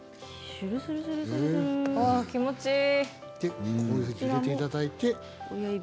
気持ちいい。